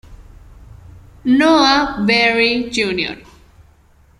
Noah Beery, Jr.